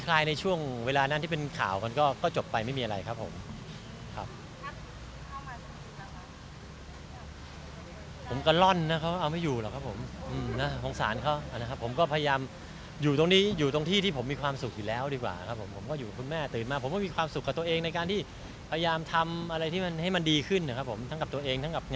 อาติ้งต่างกันไปเนอะอะไรอย่างนี้ก็ขอบคุณครับ